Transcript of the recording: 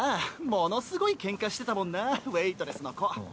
ものすごいケンカしてたもんなウエートレスの子。